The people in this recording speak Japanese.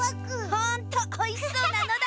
ほんとおいしそうなのだ！